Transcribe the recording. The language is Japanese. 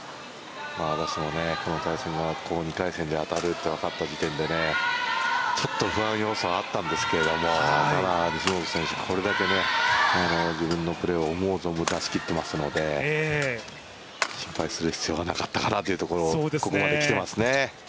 この対戦が２回戦で当たると分かった時点で不安要素はあったんですけれどもただ西本選手、これだけ自分のプレーを思う存分出し切ってますので心配する必要はなかったかなとここまできてますね。